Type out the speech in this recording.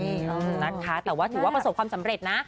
ฮึนะคะแต่ถือว่าผสมความสำเร็จนะ